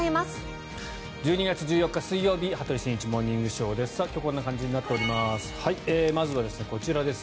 １２月１４日、水曜日「羽鳥慎一モーニングショー」。今日こんな感じになっております。